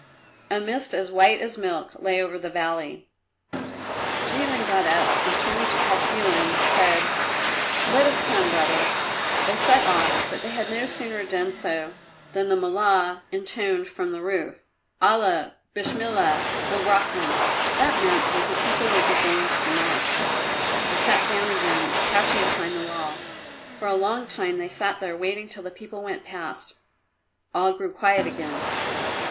A mist as white as milk lay over the valley. Jilin got up and turning to Kostilin said, "Let us come, brother." They set off, but they had no sooner done so than the Mullah intoned from the roof "Allah Besmilla! Ilrachman!" That meant that the people would be going to the Mosque. They sat down again, crouching behind the wall. For a long time they sat there waiting till the people went past. All grew quiet again.